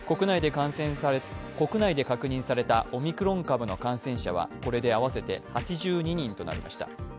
国内で確認されたオミクロン株の感染者はこれで合わせて８２人となりました。